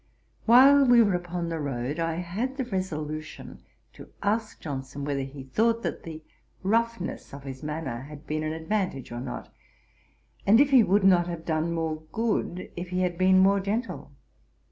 While we were upon the road, I had the resolution to ask Johnson whether he thought that the roughness of his manner had been an advantage or not, and if he would not have done more good if he had been more gentle.